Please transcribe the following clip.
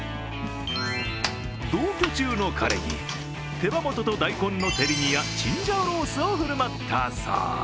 同居中の彼に手羽元と大根の照り煮やチンジャオロースを振る舞ったそう。